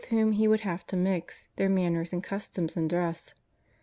Ill whom He would have to mix, their mamiers and customs and dress.